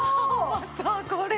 またこれは！